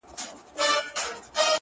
ولاړ انسان به وي ولاړ تر اخریته پوري،